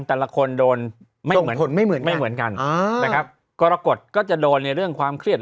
แต่ละคนโดนไม่เหมือนกันแต่ครับกรกฎก็จะโดนในเรื่องความเครียด